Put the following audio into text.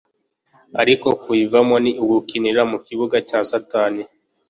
ariko kuyivamo ni ugukinira mu kibuga cya Satani.